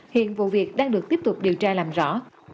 hiện vụ việc đang được tiếp tục điều tra làm rõ